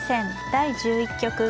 第１１局。